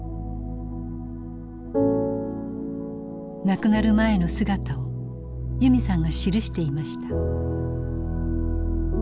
亡くなる前の姿を由美さんが記していました。